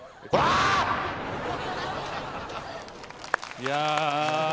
いや。